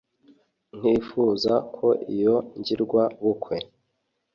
ntifuza ko iyo ngirwa bukwe